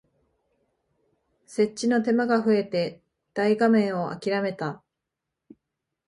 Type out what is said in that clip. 設置の手間が増えて大画面をあきらめた